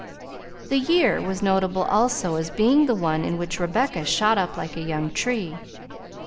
The year was notable also as being the one in which Rebecca shot up like a young tree.